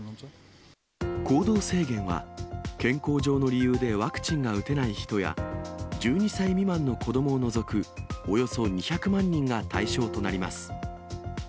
行動制限は健康上の理由でワクチンが打てない人や、１２歳未満の子どもを除くおよそ２００万人が対象となります。